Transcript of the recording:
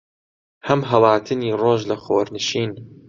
هەم هەڵاتنی ڕۆژ لە خۆرنشین